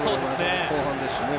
後半ですし。